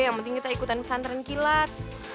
yang penting kita ikutan pesantren kilat